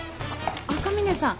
赤嶺さん。